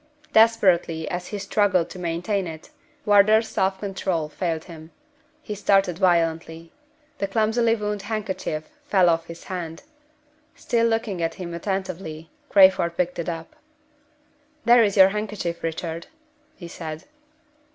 Desperately as he struggled to maintain it, Wardour's self control failed him. He started violently. The clumsily wound handkerchief fell off his hand. Still looking at him attentively, Crayford picked it up. "There is your handkerchief, Richard," he said.